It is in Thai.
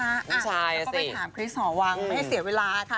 แล้วก็ไปถามคริสหอวังไม่ให้เสียเวลาค่ะ